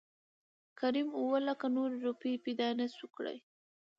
کريم اووه لکه نورې روپۍ پېدا نه شوى کړى .